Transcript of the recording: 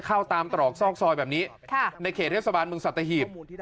เข้าตามตรอกซอกซอยแบบนี้ในเขตเทศบาลเมืองสัตหีบ